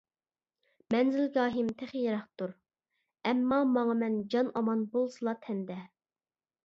مەنزىلگاھىم تېخى يىراقتۇر، ئەمما ماڭىمەن جان ئامان بولسىلا تەندە.